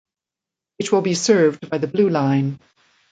It will be served by the Blue Line.